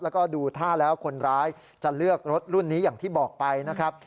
แล้วก็ดูท่าแล้วคนร้ายจะเลือกรถรุ่นนี้อย่างที่บอกไปนะครับ